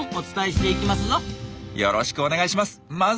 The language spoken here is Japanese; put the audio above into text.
よろしくお願いします。